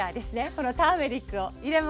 このターメリックを入れます。